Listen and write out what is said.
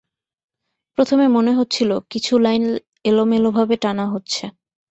প্রথমে মনে হচ্ছিল, কিছু লাইন এলোমেলোভাবে টানা হচ্ছে।